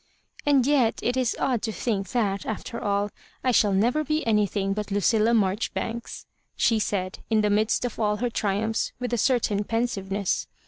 '* And yet it is odd to think that, after all, I never shall be anything but Lucilla Marjoribanks," she said, in ti^e midst of all her triumphs, with a certain pensiveness.